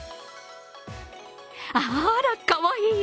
あら、かわいい！